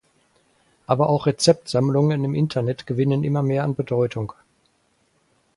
Aber auch Rezeptsammlungen im Internet gewinnen immer mehr an Bedeutung.